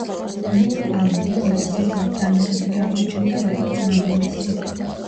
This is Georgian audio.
ნურ ალ-დინი ისეთივე წარმატებული აღმოჩნდა როგორც მამამისი.